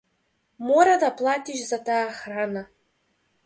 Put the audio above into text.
Мора да платиш за таа храна.